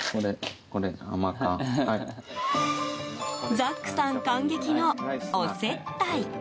ザックさん感激のお接待。